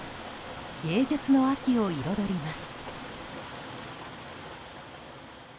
芸術の秋を彩ります。